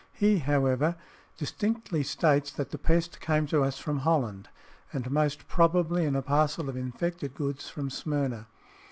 He, however, distinctly states that the pest came to us from Holland, and most probably in a parcel of infected goods from Smyrna.